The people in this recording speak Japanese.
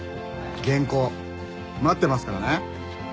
原稿待ってますからね！